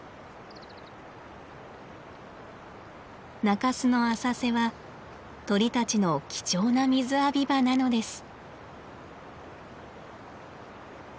中州の浅瀬は鳥たちの貴重な水浴び場なのです。